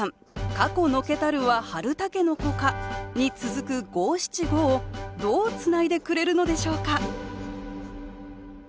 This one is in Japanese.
「過去退けたるは春筍か」に続く五七五をどうつないでくれるのでしょうか？